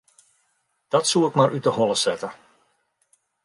Dat soe ik mar út 'e holle sette.